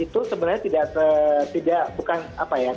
itu sebenarnya tidak bukan apa ya